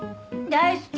大好き。